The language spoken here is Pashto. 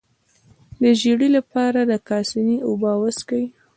د ژیړي لپاره د کاسني اوبه وڅښئ